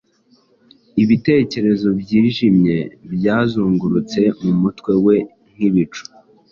Ibitekerezo byijimye byazungurutse mumutwe we, nkibicu